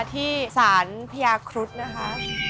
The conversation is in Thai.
ที่สารพญาครุฑนะคะ